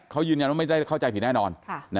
เขายืนยันว่าไม่ได้เข้าใจผิดแน่นอน